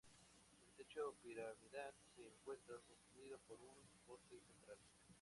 El techo piramidal se encuentra sostenido por un poste central.